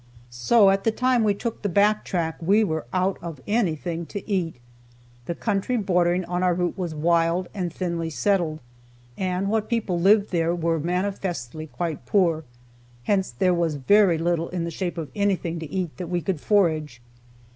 So at the time we took the back track we were out of anything to eat. The country bordering on our route was wild, and thinly settled, and what people lived there were manifestly quite poor, hence there was very little in the shape of anything to eat that we could forage.